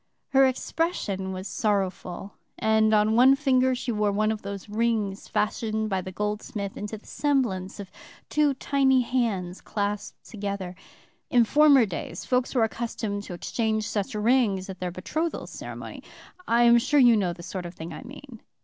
Her expression was sorrowful, and on one finger she wore one of those rings fashioned by the goldsmith into the semblance of two tiny hands clasped together. In former days folks were accustomed to exchange such rings at their betrothal ceremony. I am sure you know the sort of thing I mean.